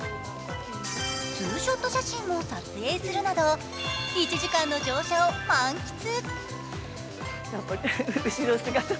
ツーショット写真も撮影するなど１時間の乗車を満喫。